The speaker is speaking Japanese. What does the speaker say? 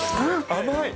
甘い！